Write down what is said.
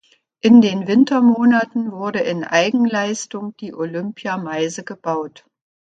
In den Wintermonaten wurde in Eigenleistung die Olympia-Meise gebaut.